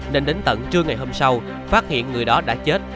nên đến tận trưa ngày hôm sau phát hiện người đó đã chết